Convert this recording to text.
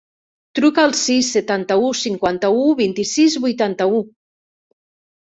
Truca al sis, setanta-u, cinquanta-u, vint-i-sis, vuitanta-u.